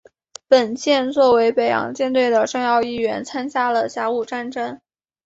本舰作为北洋舰队的重要一员参加了甲午战争。